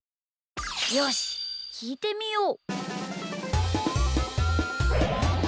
よしきいてみよう。